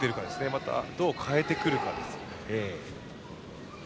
また、どう変えてくるかですね。